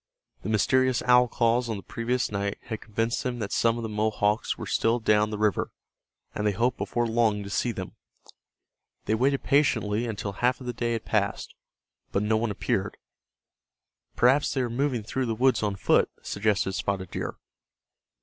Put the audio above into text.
The mysterious owl calls on the previous night had convinced them that some of the Mohawks were still down the river, and they hoped before long to see them. They waited patiently until half of the day had passed, but no one appeared. "Perhaps they are moving through the woods on foot," suggested Spotted Deer.